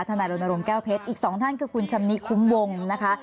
ถนัดโรนโรมแก้วเพชรอีกสองท่านคือคุณชะมนีคุ้มวงนะคะ